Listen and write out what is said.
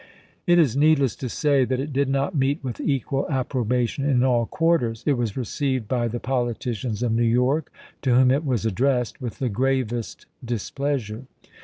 It is needless to say that it did not meet with equal 350 ABRAHAM LINCOLN chap. xii. approbation in all quarters. It was received by the politicians of New York, to whom it was addressed, with the gravest displeasure.